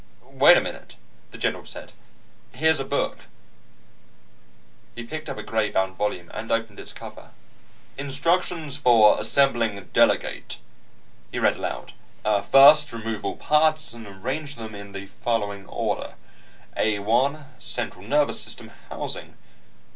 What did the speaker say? "Wait a minute," the general said. "Here's a book " He picked up a gray bound volume, and opened its cover. "'Instructions for assembling Delegate,'" he read aloud. "'First, remove all parts and arrange them in the following order. A 1, central nervous system housing.